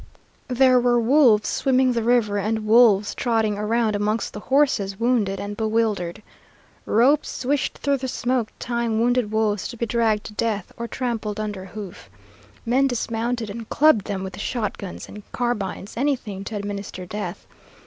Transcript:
There were wolves swimming the river and wolves trotting around amongst the horses, wounded and bewildered. Ropes swished through the smoke, tying wounded wolves to be dragged to death or trampled under hoof. Men dismounted and clubbed them with shotguns and carbines, anything to administer death.